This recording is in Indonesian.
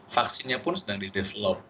vaksinnya pun sedang di develop